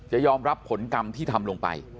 จะยอมรับผลกรรมที่ทำลงไป